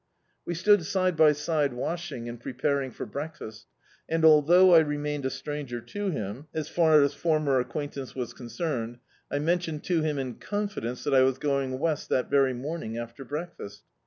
We stxKxl side by side washing, and preparing for breakfast, and, although I remained a stranger to him, as far as former acquaintance was ccncemed, I mentioned to him in confidence that I was going west that very morning, after breakfast.